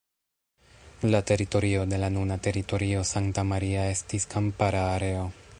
La teritorio de la nuna teritorio Santa Maria estis kampara areo.